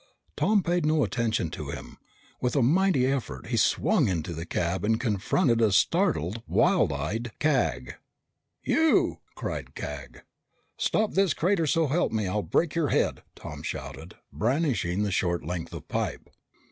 Tom paid no attention to him. With a mighty effort, he swung into the cab and confronted a startled, wild eyed Cag. "You!" cried Cag. "Stop this crate, or so help me, I'll break your head!" Tom shouted, brandishing the short length of pipe.